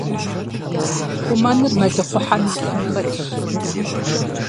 Хъумэныр мэлыхъуэхьэм и лъым хэтщ.